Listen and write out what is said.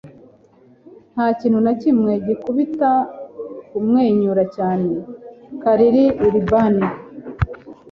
nta kintu na kimwe gikubita kumwenyura cyane. - karl urban